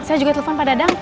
saya juga telepon pak dadang